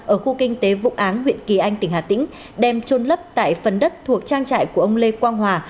ở khu kinh tế vụ áng huyện kỳ anh tỉnh hà tĩnh đem trôn lấp tại phần đất thuộc trang trại của ông lê quang hòa